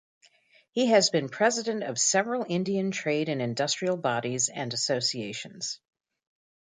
He has been president of several Indian Trade and Industrial Bodies and associations.